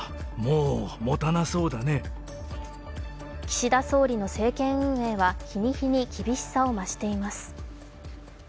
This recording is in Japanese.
岸田総理の政権運営は日に日に厳しさを増しています。